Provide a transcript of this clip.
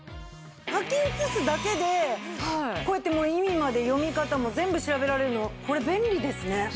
書き写すだけでこうやって意味まで読み方も全部調べられるのこれ便利ですね。